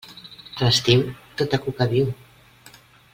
A l'estiu tota cuca viu.